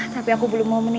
tapi aku belum mau menikah